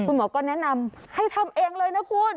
คุณหมอก็แนะนำให้ทำเองเลยนะคุณ